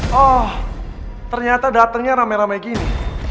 wah ternyata datangnya rame rame gini